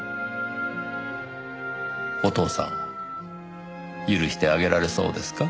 お父さんを許してあげられそうですか？